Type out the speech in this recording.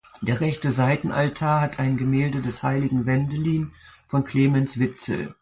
Der rechte Seitenaltar hat ein Gemälde des heiligen Wendelin von Clemens Witzel.